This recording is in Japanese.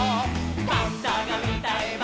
「パンダがうたえば」